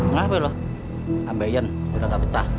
ngapain lo ambeian udah gak betah